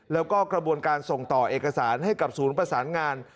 แล้วก็กระบวนการส่งต่อเอกสารให้กับศูนย์ประสานงาน